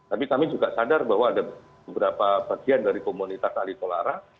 tapi kami juga sadar bahwa ada beberapa bagian dari komunitas ahli tolara